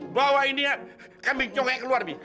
bawa ini kambing congnya keluar mi